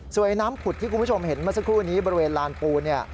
ส่วนน้ำผุดที่คุณผู้ชมเห็นเมื่อสักครู่นี้บริเวณลานปูนเนี่ย